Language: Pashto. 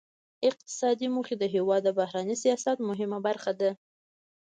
اقتصادي موخې د هیواد د بهرني سیاست مهمه برخه ده